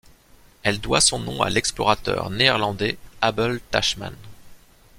Elle doit son nom à l'explorateur néerlandais Abel Tasman.